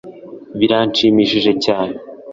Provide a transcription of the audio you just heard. Biranshimishije cyane